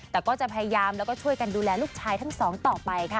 แต่ก็จะพยายามแล้วก็ช่วยกันดูแลลูกชายทั้งสองต่อไปค่ะ